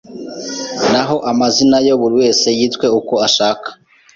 naho amazina yo buri wese yitwe uko ashaka.